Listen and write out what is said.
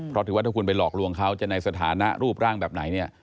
เพราะถือว่าถ้าคุณไปหลอกลวงเขาจะในสถานะรูปร่างแบบไหนเนี่ย